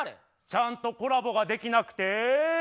ちゃんとコラボができなくて。